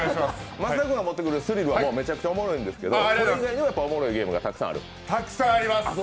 益田君が持ってくるスリルはめちゃくちゃ面白いんですけど、これ以外にも、やっぱおもろいゲームがたくさんある？